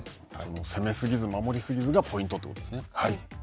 攻め過ぎず、守り過ぎずがポイントということですね。